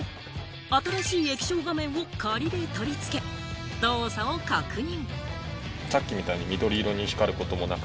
新しい液晶画面を仮で取り付け、動作を確認。